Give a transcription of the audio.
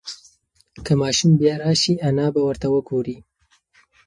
که ماشوم بیا راشي انا به ورته وگوري.